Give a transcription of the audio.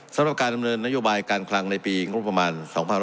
สำหรับการดำเนินนโยบายการคลังในปีงบประมาณ๒๕๖๒